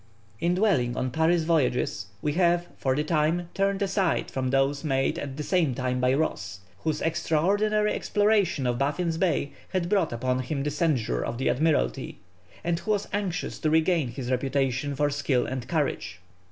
In dwelling on Parry's voyages, we have, for the time, turned aside from those made at the same time by Ross, whose extraordinary exploration of Baffin's Bay had brought upon him the censure of the Admiralty, and who was anxious to regain his reputation for skill and courage.